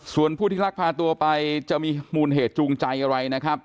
ส่วนผู้ที่ลักพาตัวไปจะมีมูลเหตุจูงใจอะไรนะครับ